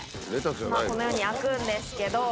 このように開くんですけど。